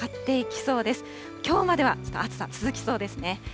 きょうまではちょっと暑さ続きそうですね。